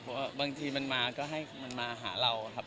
เพราะว่าบางทีมันมาก็ให้มันมาหาเราครับ